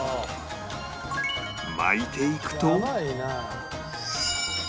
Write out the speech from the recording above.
巻いていくと